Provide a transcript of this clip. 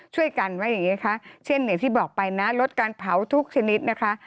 ช่วยกันไว้อย่างนี้ค่ะเช่นอย่างที่บอกไปนะลดการเผาทุกชนิดนะคะ